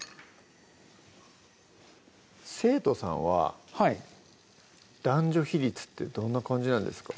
生徒さんは男女比率ってどんな感じなんですか？